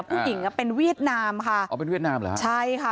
ผู้หญิงอ่ะเป็นเวียดนามค่ะอ๋อเป็นเวียดนามเหรอฮะใช่ค่ะ